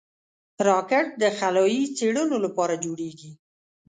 راکټ د خلایي څېړنو لپاره جوړېږي